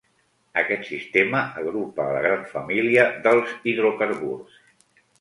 Aquest sistema agrupa a la gran família dels hidrocarburs.